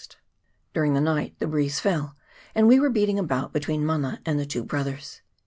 During the night the breeze fell, and we were beating about between Mana and the Two Brothers.